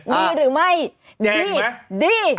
ดีหรือไม่ดีดี